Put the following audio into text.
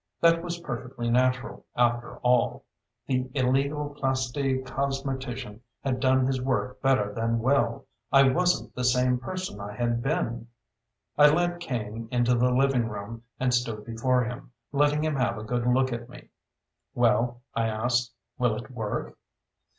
That was perfectly natural, after all. The illegal plasti cosmetician had done his work better than well. I wasn't the same person I had been. I led Kane into the living room and stood before him, letting him have a good look at me. "Well," I asked, "will it work?"